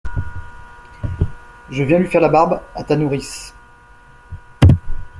Je viens lui faire la barbe, à ta nourrice.